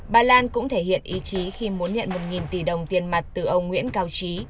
bà lan cũng thể hiện ý chí khi muốn nhận một tỷ đồng tiền mặt từ ông nguyễn cao trí